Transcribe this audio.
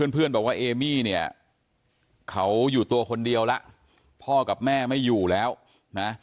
เพื่อนบอกว่าเอมี่เนี่ยเขาอยู่ตัวคนเดียวแล้วพ่อกับแม่ไม่อยู่แล้วนะ